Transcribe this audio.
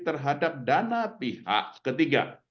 terhadap dana pihak ketiga